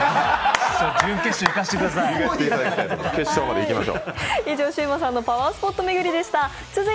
準決勝行かせてください。